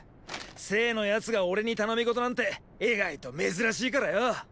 政の奴が俺に頼み事なんて意外と珍しいからよ。